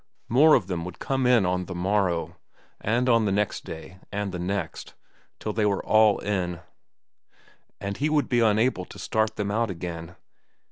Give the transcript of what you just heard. More of them would come in on the morrow, and on the next day, and the next, till they were all in. And he would be unable to start them out again.